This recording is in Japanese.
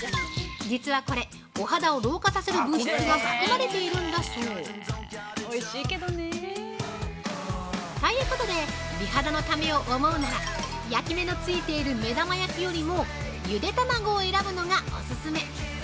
実はこれ、お肌を老化させる物質が含まれているんだそう。ということで、美肌のためを思うなら焼き目のついている目玉焼きよりもゆで卵を選ぶのがオススメ。